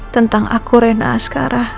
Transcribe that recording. tentang aku rena askarah